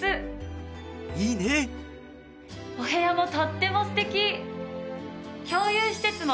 お部屋もとっても素敵！